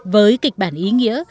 với kịch bản ý nghĩa